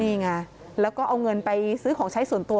นี่ไงแล้วก็เอาเงินไปซื้อของใช้ส่วนตัว